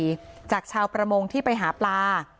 หากผู้จัดชาวประมงที่ไปหาปลา